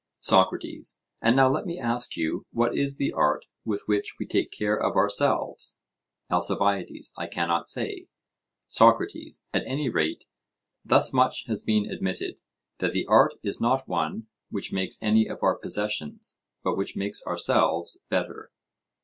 SOCRATES: And now let me ask you what is the art with which we take care of ourselves? ALCIBIADES: I cannot say. SOCRATES: At any rate, thus much has been admitted, that the art is not one which makes any of our possessions, but which makes ourselves better?